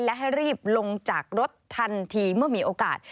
และให้รีบลงจากรถทันทีเมื่อมีโอกาส